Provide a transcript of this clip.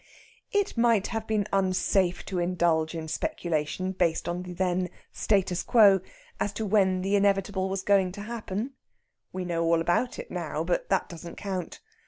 It might have been unsafe to indulge in speculation, based on the then status quo, as to when the inevitable was going to happen. We know all about it now, but that doesn't count.